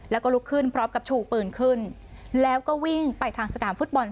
แล้วก็ลุกขึ้นพร้อมกับชูปืนขึ้นแล้วก็วิ่งไปทางสนามฟุตบอล